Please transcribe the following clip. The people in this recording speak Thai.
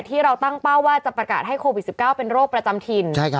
ที่เราตั้งเป้าว่าจะประกาศให้โควิด๑๙เป็นโรคประจำถิ่น